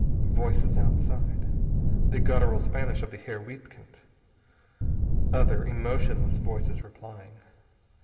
Voices outside. The guttural Spanish of the Herr Wiedkind. Other, emotionless voices replying.